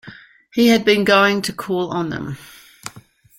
He had been going to call on them.